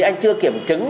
anh chưa kiểm chứng